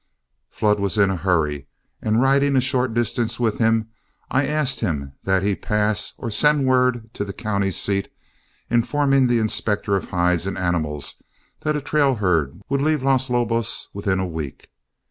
Flood was in a hurry, and riding a short distance with him, I asked that he pass or send word to the county seat, informing the inspector of hides and animals that a trail herd would leave Los Lobos within a week.